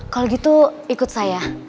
kalau gitu ikut saya